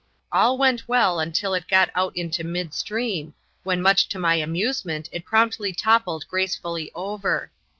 All went well until it got out into midstream, when much to my amusement it promptly toppled gracefully over.